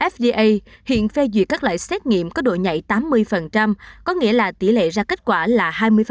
fda hiện phê duyệt các loại xét nghiệm có độ nhảy tám mươi có nghĩa là tỷ lệ ra kết quả là hai mươi